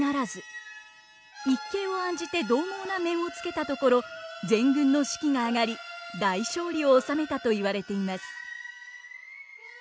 一計を案じて獰猛な面をつけたところ全軍の士気が上がり大勝利を収めたと言われています。